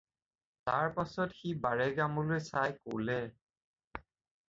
তাৰ পাছত সি বাৰেগামলৈ চাই ক'লে।